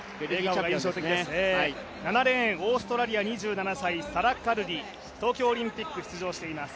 ７レーン、オーストラリア２７歳サラ・カルリ、東京オリンピック出場しています。